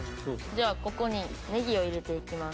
ではここにねぎを入れていきます。